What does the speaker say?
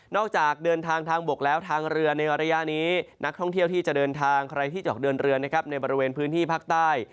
นอกจากเดินทางทางบกแล้วทางเรือนในอรัยะนี้นักท่องเที่ยวที่จะเดินทางในบริเวณพื้นที่ภาคใต้